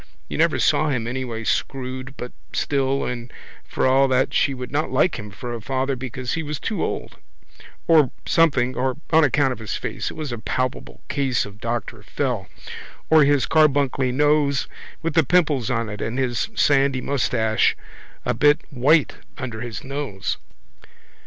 You never saw him any way screwed but still and for all that she would not like him for a father because he was too old or something or on account of his face (it was a palpable case of Doctor Fell) or his carbuncly nose with the pimples on it and his sandy moustache a bit white under his nose.